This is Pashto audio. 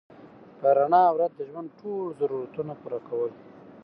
په رڼا ورځ د ژوند ټول ضرورتونه پوره کول